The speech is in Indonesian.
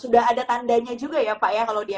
sudah ada tandanya sudah gitu ya pak ya kalau di mrt